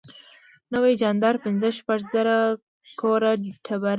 نوح جاندار پنځه شپږ زره کوره ټبر درلود.